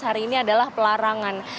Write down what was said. hari ini adalah pelarangan